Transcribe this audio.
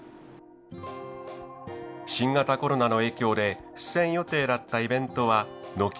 新型コロナの影響で出演予定だったイベントは軒並み中止。